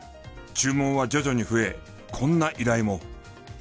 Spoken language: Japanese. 注文は徐々に増えこんな依頼も。